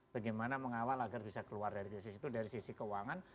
bagaimana mengawal agar bisa keluar dari krisis itu dari sisi keuangan